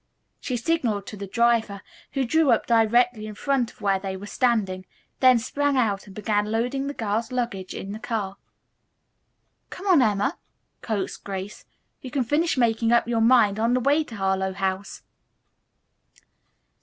She signalled to the driver, who drew up directly in front of where they were standing, then sprang out and began loading the girls' luggage in the car. "Come on, Emma," coaxed Grace. "You can finish making up your mind on the way to Harlowe House."